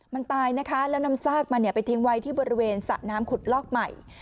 มันตายนะคะแล้วนำซากมันไปทิ้งไว้ที่บริเวณสระน้ำขุดลอกใหม่